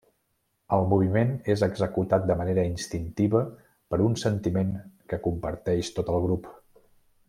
El moviment és executat de manera instintiva per un sentiment que comparteix tot el grup.